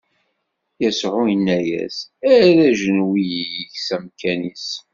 Yasuɛ inna-as: Err ajenwi-ik s amkan-is.